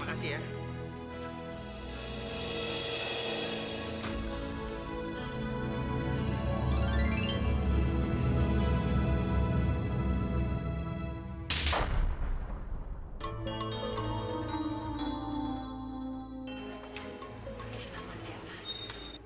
makasih nama jelan